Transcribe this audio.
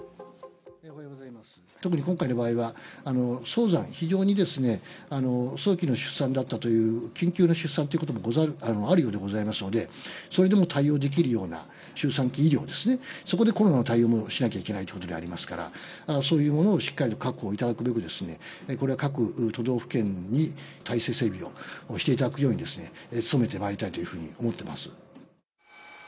特に今回の場合は、早産、非常に早期の出産だったという、緊急の出産ということもあるようでございますので、それでも対応できるような周産期医療ですね、そこでコロナの対応もしなきゃいけないということでありますから、そういうものをしっかり確保いただくべく、これは各都道府県に体制整備をしていただくように、努めてまいりたいというふうに思っています。